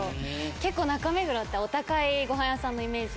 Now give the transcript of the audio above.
結構中目黒ってお高いごはん屋さんのイメージ。